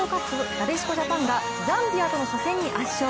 なでしこジャパンがザンビアとの初戦に圧勝。